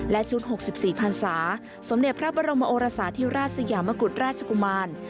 และชุด๖๔พันศาสมเด็จพระบรมโอรสาธิราชสยามกุฎราชกุมาร